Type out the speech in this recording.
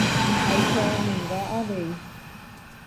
Aikuaanunga avei.